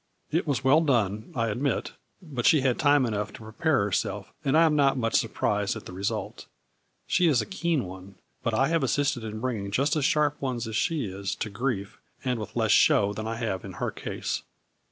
It was well done, I admit, but she had time enough to prepare herself, and I am not much surprised at the result. She is a keen one, but I have assisted in bringing just as sharp ones as she is to grief, and with less show than I have in her case."